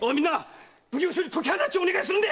⁉奉行所に解き放ちをお願いするんだ！